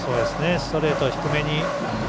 ストレートを低めに。